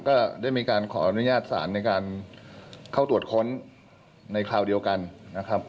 ก็ได้มีการขออนุญาตสารในการเข้าตรวจค้นในคราวเดียวกันนะครับ